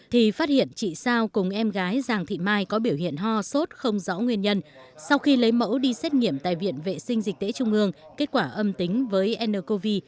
thì phát hiện chị sao cùng em gái giàng thị mai có biểu hiện ho sốt không rõ nguyên nhân sau khi lấy mẫu đi xét nghiệm tại viện vệ sinh dịch tễ trung ương kết quả âm tính với ncov